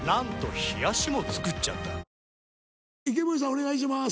お願いします。